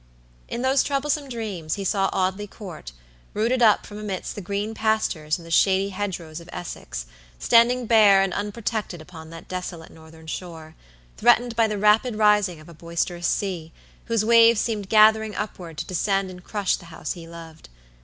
In those troublesome dreams he saw Audley Court, rooted up from amidst the green pastures and the shady hedgerows of Essex, standing bare and unprotected upon that desolate northern shore, threatened by the rapid rising of a boisterous sea, whose waves seemed gathering upward to descend and crush the house he loved.